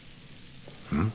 うん？